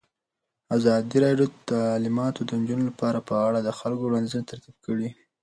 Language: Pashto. ازادي راډیو د تعلیمات د نجونو لپاره په اړه د خلکو وړاندیزونه ترتیب کړي.